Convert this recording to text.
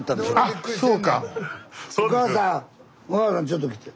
おかあさんちょっと来て。